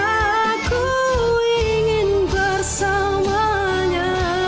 aku ingin bersamanya